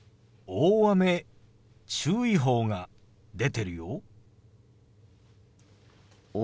大雨注意報が出てるよ。